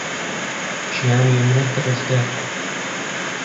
ژیانی منت ڕزگار کرد.